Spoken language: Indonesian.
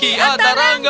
maui dikit dikit atarangga